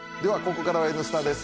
ここからは「Ｎスタ」です。